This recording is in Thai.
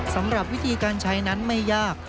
สำหรับวิธีการใช้นั้นไม่ยาก